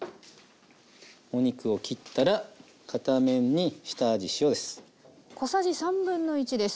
お肉を切ったら片面に下味塩です。